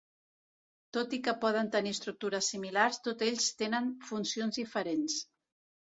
Tot i que poden tenir estructures similars, tots ells tenen funcions diferents.